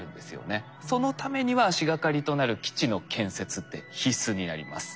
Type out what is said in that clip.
そのためには足掛かりとなる基地の建設って必須になります。